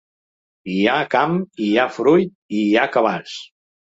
I hi ha camp i hi ha fruit i hi ha cabàs.